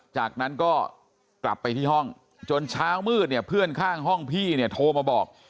จากนั้นก็กลับไปที่ห้องจนเช้ามืดเนี่ยเพื่อนข้างห้องพี่เนี่ยโทรมาบอก